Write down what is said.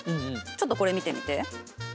ちょっとこれ見てみて。